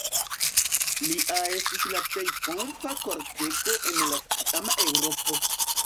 Lia estis la plej pompa kortego en la tiama Eŭropo.